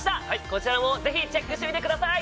こちらもぜひチェックしてみてください。